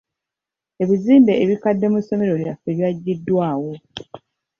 Ebizimbe ebikadde mu ssomero lyaffe byaggyiddwawo.